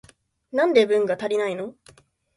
なんで文が足りないの？